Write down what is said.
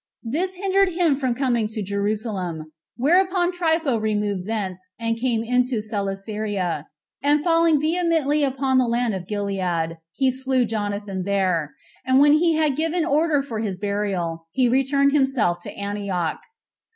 This hindered him from coming to Jerusalem; whereupon Trypho removed thence, and came into Celesyria, and falling vehemently upon the land of Gilead, he slew Jonathan there; and when he had given order for his burial, he returned himself to Antioch.